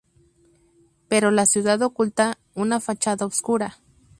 Pero la ciudad oculta una fachada oscura.